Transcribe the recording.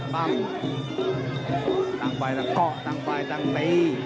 ต่างไปต่างเกาะต่างไปต่างไป